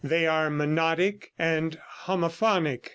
They are Monodic and Homophonic.